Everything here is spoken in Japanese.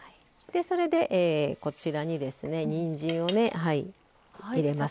それで、こちらににんじんを入れます。